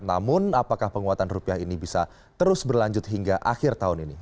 namun apakah penguatan rupiah ini bisa terus berlanjut hingga akhir tahun ini